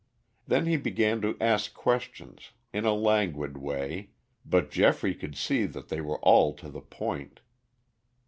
Then he began to ask questions, in a languid way, but Geoffrey could see that they were all to the point.